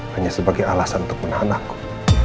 hanya sebagai alasan untuk menahan aku